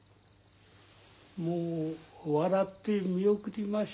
もう笑って見送りますよ。